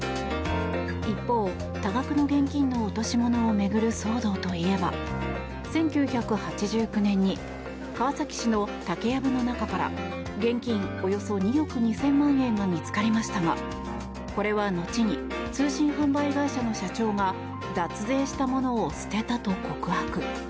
一方、多額の現金の落とし物を巡る騒動といえば１９８９年に川崎市の竹やぶの中から現金およそ２億２０００万円が見つかりましたがこれは後に通信販売会社の社長が脱税したものを捨てたと告白。